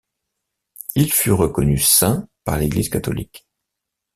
Il fut reconnu saint par l'Église catholique.